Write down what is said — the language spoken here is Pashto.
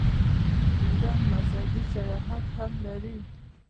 ایران مذهبي سیاحت هم لري.